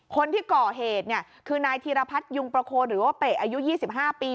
คนที่ก่อเหตุเนี่ยคือนายธีรพัฒน์ยุงประโคนหรือว่าเปะอายุ๒๕ปี